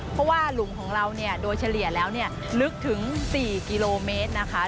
เพราะว่าหลุมของเราเนี่ยโดยเฉลี่ยแล้วเนี่ยลึกถึง๔กิโลเมตรนะคะ